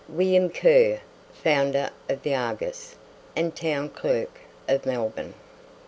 WILLIAM KERR, FOUNDER OF "THE ARGUS," AND TOWN CLERK OF MELBOURNE.